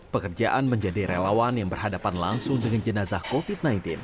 pekerjaan menjadi relawan yang berhadapan langsung dengan jenazah covid sembilan belas